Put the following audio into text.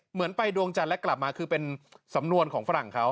เหมือนไปดวงจันทร์และกลับมาคือเป็นสำนวนของฝรั่งเขา